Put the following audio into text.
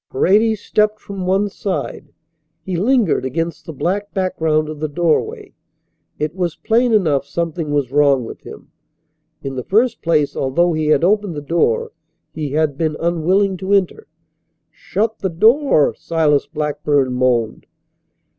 Paredes stepped from one side. He lingered against the black background of the doorway. It was plain enough something was wrong with him. In the first place, although he had opened the door, he had been unwilling to enter. "Shut the door," Silas Blackburn moaned.